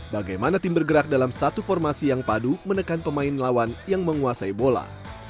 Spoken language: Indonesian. bagaimana tim bergerak dalam satu formasi yang padu menekan pemain lawan yang menguasai bola